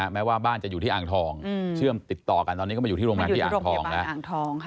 แม้ว่าบ้านจะอยู่ที่อ่างทองเชื่อมติดต่อกันตอนนี้ก็มาอยู่ที่โรงแรมที่อ่างทองแล้วอ่างทองค่ะ